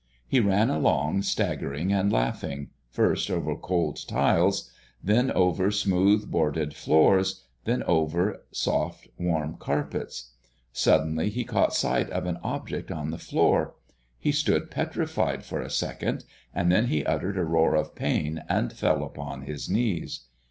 He ran along staggering and laughing, first over cold tiles, then over smooth boarded floors, then over soft, warm carpets. Suddenly he caught sight of an object on the floor. He stood petrified for a second; then he uttered a roar of pain and fell upon his knees.